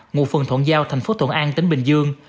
ngụ phần thuận giao tp thuận an tp hcm